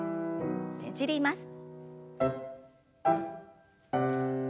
ねじります。